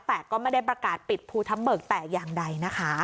แต่ก็ไม่ได้ประกาศปิดภูทับเบิกแต่อย่างใดนะคะ